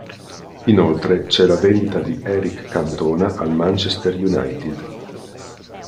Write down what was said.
Inoltre c'è la vendita di Éric Cantona al Manchester United.